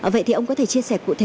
vậy thì ông có thể chia sẻ cụ thể